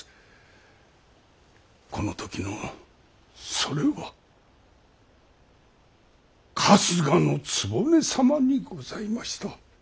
この時のそれは春日局様にございました。